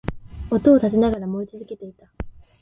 音を立てながら燃え続けていた